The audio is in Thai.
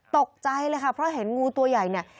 ตกใจเลยค่ะเพราะเห็นงูตัวใหญ่เนี่ย